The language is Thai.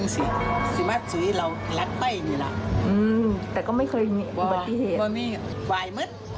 สาธุ